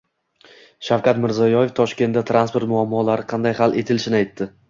Shavkat Mirziyoyev Toshkentda transport muammolari qanday hal etilishini aytdi